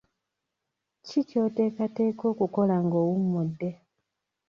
Ki ky'oteekateeka okukola ng'owummudde?